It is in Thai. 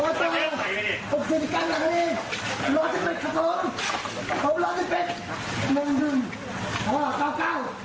ส่วนด้วยกันหน่อยครับช่วยกันหน่อย